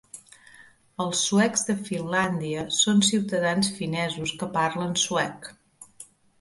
Els Suecs de Finlàndia son ciutadans finesos que parlen suec.